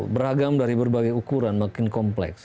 beragam dari berbagai ukuran makin kompleks